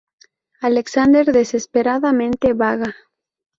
Alexander desesperadamente vaga.